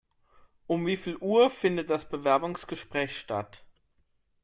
Um wie viel Uhr findet das Bewerbungsgesprach statt?